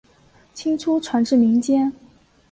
清初传至民间。